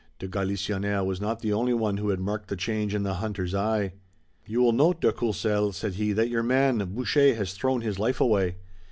De Galisonnière was not the only one who had marked the change in the hunter's eye. "You will note, de Courcelles," said he, "that your man, Boucher, has thrown his life away."